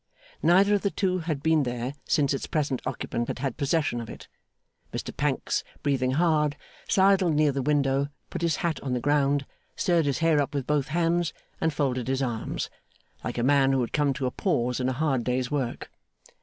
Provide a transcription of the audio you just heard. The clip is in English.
Neither of the two had been there since its present occupant had had possession of it. Mr Pancks, breathing hard, sidled near the window, put his hat on the ground, stirred his hair up with both hands, and folded his arms, like a man who had come to a pause in a hard day's work.